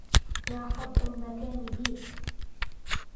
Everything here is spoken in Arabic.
يا حظّ المكان بيك